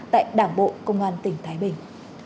tại đảng bộ công an tỉnh thái bình